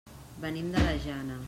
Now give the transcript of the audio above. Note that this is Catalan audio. Venim de la Jana.